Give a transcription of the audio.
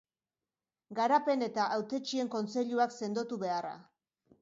Garapen eta Hautetsien kontseiluak sendotu beharra.